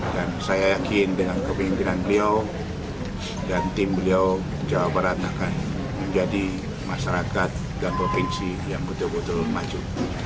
dan saya yakin dengan kepimpinan beliau dan tim beliau jawa barat akan menjadi masyarakat dan provinsi yang betul betul maju